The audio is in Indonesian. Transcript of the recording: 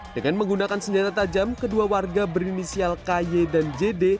dengan menggunakan senjata tajam kedua warga berinisial ky dan jd